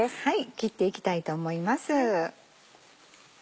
切っていきたいと思います。